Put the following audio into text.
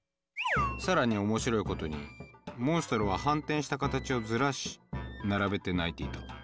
更に面白いことにモンストロは反転した形をずらし並べて鳴いていた。